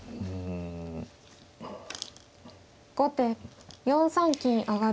後手４三金上。